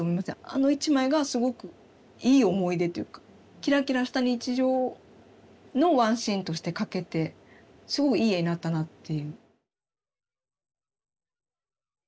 あの一枚がすごくいい思い出というかキラキラした日常のワンシーンとして描けてすごいいい絵になったなっていう。